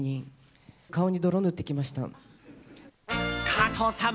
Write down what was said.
加藤さん